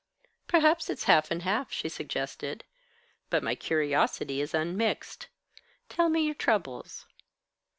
"Perhaps it's half and half," she suggested. "But my curiosity is unmixed. Tell me your troubles."